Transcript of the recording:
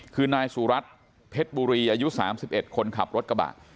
คือนายสุรัสตร์เพ็ดบุรีอายุสามสิบเอ็ดคนขับรถกระบะ